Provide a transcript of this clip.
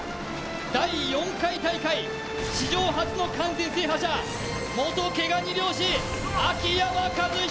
第４回大会、史上初の完全制覇者、元毛ガニ漁師、秋山和彦